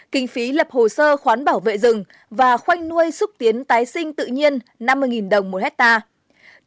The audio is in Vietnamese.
kinh phí lập hồ sơ khoán bảo vệ rừng và khoanh nuôi xúc tiến tái sinh tự nhiên năm mươi đồng một hectare